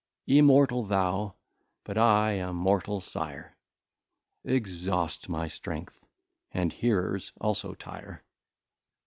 Immortal thou, but I a mortal Sire Exhaust my strength, and Hearers also tire.